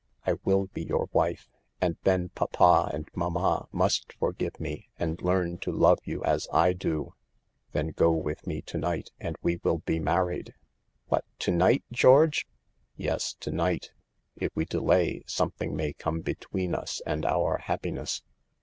I will be your wife, and then papa and mamma must forgive me, and learn to love you as I do." u Then go with me to night, and we will be married." " What ! to night, George !" "Yes, to night. If we delay something may come between us and our happiness."